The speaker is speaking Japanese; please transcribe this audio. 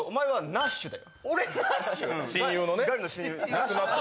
亡くなった。